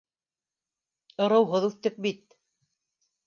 Ырыуһыҙ үҫтек бит